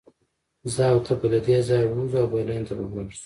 زه او ته به له دې ځایه ووځو او برلین ته به لاړ شو